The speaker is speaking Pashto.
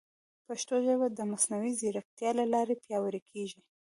پښتو ژبه د مصنوعي ځیرکتیا له لارې پیاوړې کیږي.